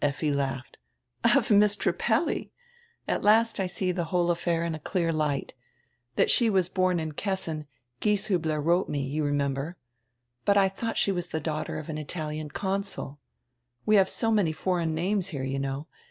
Effi laughed. "Of Miss Trippelli! At last I see die whole affair in a clear light That she was horn in Kessin, Gieshiihler wrote me, you rememher. But I thought she was die daughter of an Italian consul. We have so many foreign names here, you know.